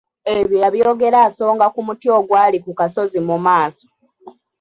Ebyo yabyogera asonga ku muti ogwali ku kasozi mu maaso.